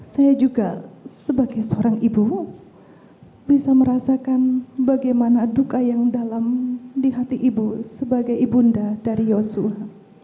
saya juga sebagai seorang ibu bisa merasakan bagaimana duka yang dalam di hati ibu sebagai ibunda dari yosua